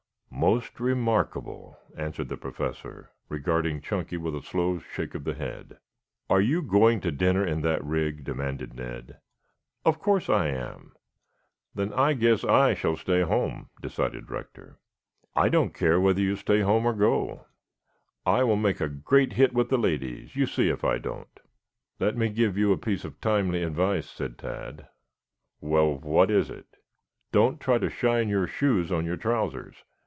"Most remarkable," answered the Professor, regarding Chunky with a slow shake of the head. "Are you going to dinner in that rig?" demanded Ned. "Of course I am." "Then I guess I shall stay home," decided Rector. "I don't care whether you stay home or go. I will make a great hit with the ladies, you see if I don't." "Let me give you a piece of timely advice," said Tad. "Well, what is it?" "Don't try to shine your shoes on your trousers.